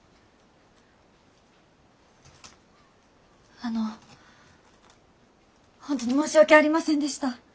あの本当に申し訳ありませんでした。